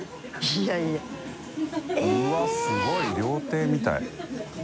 うわっすごい料亭みたい。